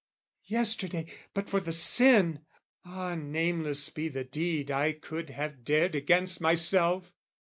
"Yesterday, but for the sin, ah, nameless be "The deed I could have dared against myself!